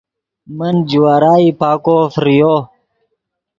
من جوارائی پاکو فریو